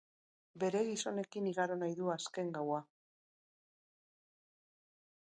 Bere gizonekin igaro nahi du azken gaua.